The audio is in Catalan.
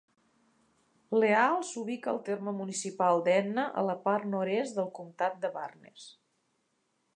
Leal s'ubica al terme municipal d'Edna, a la part nord-est del Comtat de Barnes.